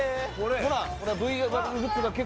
ほら！